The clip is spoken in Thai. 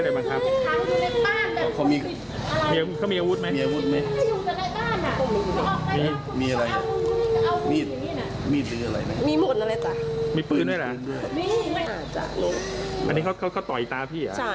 นนี่ต่อยตาปูดเลยคุณผู้ชมนะในนุ่ยคนเป็นสามีนะ